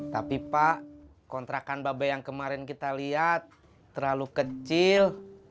tapi pak kontrakan babe yang kemarin kita lihat terlalu kecil